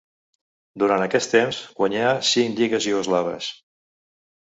Durant aquest temps guanyà cinc lligues iugoslaves.